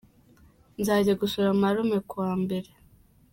Nzajya gusura marume ku wa mbere.